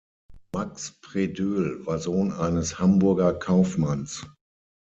Max Predöhl war Sohn eines Hamburger Kaufmanns.